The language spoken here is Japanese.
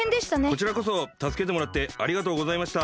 こちらこそたすけてもらってありがとうございました。